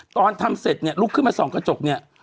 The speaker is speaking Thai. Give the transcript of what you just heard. ตอนทำเสร็จเนี่ยลุกขึ้นมาส่องกระจกเนี่ย